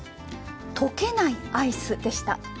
溶けないアイスでした。